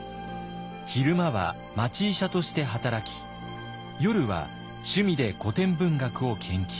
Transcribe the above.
昼間は町医者として働き夜は趣味で古典文学を研究。